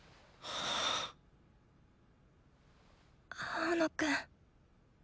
青野くん。